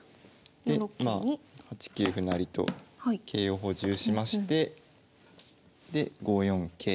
でまあ８九歩成と桂を補充しましてで５四桂。